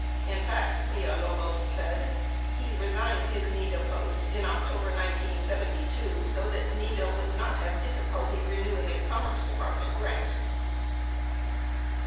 In fact, Villalobos said, he resigned his NEDA post in October 1972 so that NEDA would not have difficulty renewing its Commerce Department grant.